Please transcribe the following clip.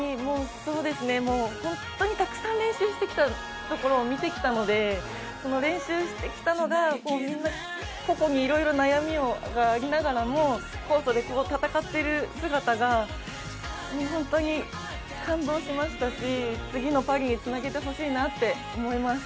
本当にたくさん練習してきたところを見てきたのでその練習してきたのがみんな個々にいろいろ悩みがありながらもコートで戦っている姿が本当に感動しましたし次のパリにつなげてほしいなって思います。